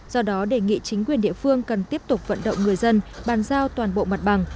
do đó đề nghị chính quyền địa phương cần tiếp tục vận động người dân bàn giao toàn bộ mặt bằng